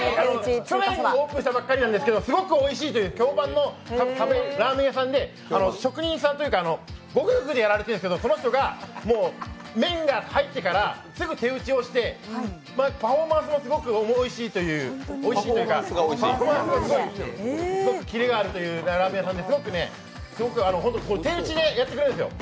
去年オープンしたばっかりなんですけど、すごくおいしいラーメン屋さんで、職人さんというか、ご夫婦でやられてるんですけど、その人がもう麺が入ってからすぐ手打ちをしてパフォーマンスもすごくおいしいという、すごくキレがあるっていうラーメン屋さんで手打ちでやってくれるんです。